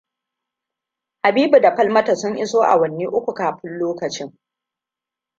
Habibu da Falmata sun iso awanni uku kafin lokacin.